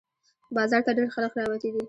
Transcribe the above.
بازار ته ډېر خلق راوتي دي